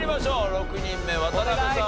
６人目渡邉さん